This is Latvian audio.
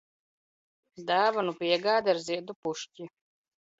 Dāvanu piegāde ar ziedu pušķi.